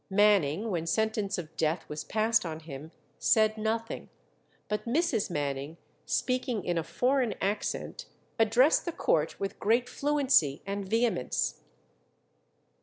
Manning, when sentence of death was passed on him, said nothing; but Mrs. Manning, speaking in a foreign accent, addressed the court with great fluency and vehemence.